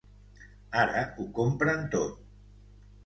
Ara ho comprèn tot.